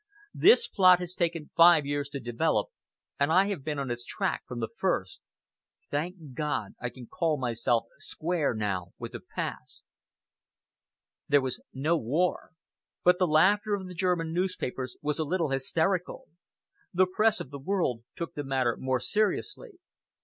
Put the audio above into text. This plot has taken five years to develop, and I have been on its track from the first. Thank God, I can call myself square now with the past! ..." There was no war, but the laughter of the German newspapers was a little hysterical. The Press of the world took the matter more seriously.